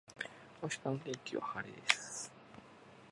明日の天気は晴れです。